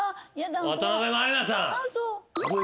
渡辺満里奈さん。